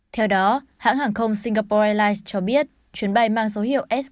theo đó hãng hàng không singapore airlines cho biết chuyến bay mang dấu hiệu sq ba trăm hai mươi một